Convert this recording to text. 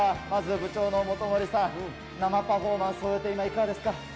まずは部長の元森さん、生パフォーマンス終えていかがですか？